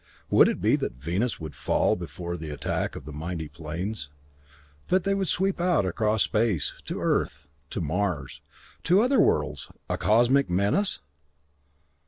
Would it be that Venus would fall before the attack of the mighty planes, that they would sweep out across space, to Earth to Mars to other worlds, a cosmic menace?